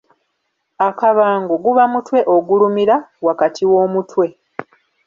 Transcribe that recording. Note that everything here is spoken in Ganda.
Akabango guba mutwe ogulumira wakati w'omutwe.